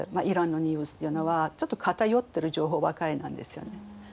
イランのニュースっていうのはちょっと偏ってる情報ばかりなんですよね。